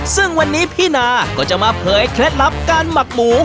ซึ่งวันนี้พี่นาก็จะมาเผยเคล็ดลับการหมักหมู